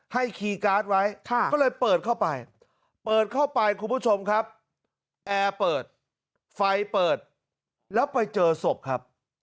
คีย์การ์ดไว้ก็เลยเปิดเข้าไปเปิดเข้าไปคุณผู้ชมครับแอร์เปิดไฟเปิดแล้วไปเจอศพครับ